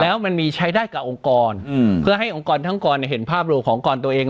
แล้วมันมีใช้ได้กับองค์กรเพื่อให้องค์กรทั้งกรเห็นภาพรวมขององค์กรตัวเอง